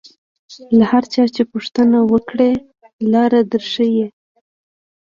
له هر چا چې پوښتنه وکړې لاره در ښیي.